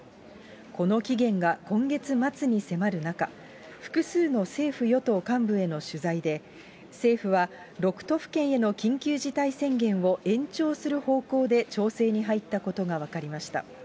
この期限が今月末に迫る中、複数の政府・与党幹部への取材で、政府は、６都府県への緊急事態宣言を延長する方向で調整に入ったことが分かりました。